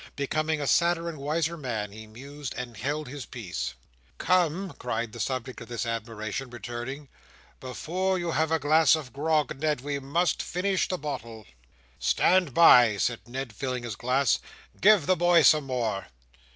Becoming a sadder and a wiser man, he mused and held his peace. "Come!" cried the subject of this admiration, returning. "Before you have your glass of grog, Ned, we must finish the bottle." "Stand by!" said Ned, filling his glass. "Give the boy some more."